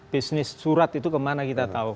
bisnis surat itu kemana kita tahu